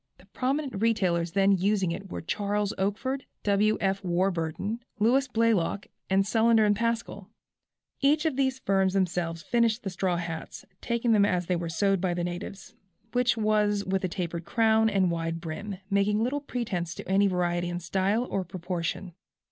The prominent retailers then using it were Charles Oakford, W. F. Warburton, Louis Blaylock, and Sullender & Pascall; each of these firms themselves finished the straw hats, taking them as they were sewed by the natives, which was with a taper crown and wide brim, making little pretence to any variety in style or proportion.